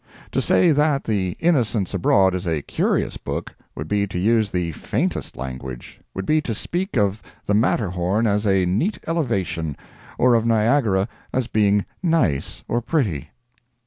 To say that the "Innocents Abroad" is a curious book, would be to use the faintest language—would be to speak of the Matterhorn as a neat elevation or of Niagara as being "nice" or "pretty."